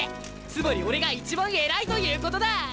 つまり俺が一番偉いということだ！